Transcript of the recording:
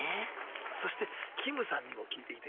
そしてキムさんにも聞いていきたい。